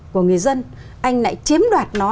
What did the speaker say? của người dân anh lại chiếm đoạt nó